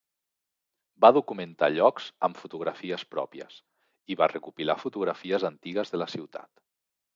Va documentar llocs amb fotografies pròpies, i va recopilar fotografies antigues de la ciutat.